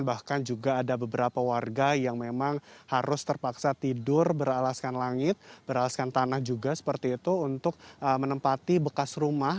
bahkan juga ada beberapa warga yang memang harus terpaksa tidur beralaskan langit beralaskan tanah juga seperti itu untuk menempati bekas rumah